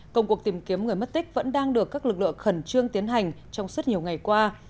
công cuộc tìm kiếm người mất tích vẫn đang được các lực lượng khẩn trương tiến hành trong suốt nhiều ngày qua